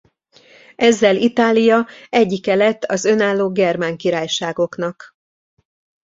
Ezzel Itália egyike lett az önálló germán királyságoknak.